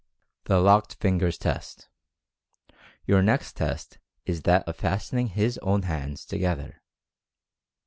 THE "LOCKED FINGERS" TEST. Your next test is that of fastening his own hands to gether.